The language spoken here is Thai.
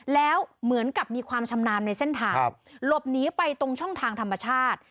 แล้วเหมือนกับมีความชำนาญในเส้นทางหลบหนีไปตรงช่องทางธรรมชาติ